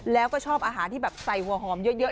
แล้วก็ชอบอาหารที่แบบใส่หัวหอมเยอะ